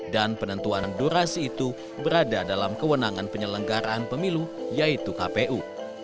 dan penentuan durasi itu berada dalam kewenangan penyelenggaraan pemilu yaitu kpu